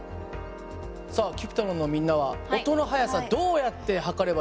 さあＣｕｐｉｔｒｏｎのみんなは音の速さどうやって測ればいいと思います？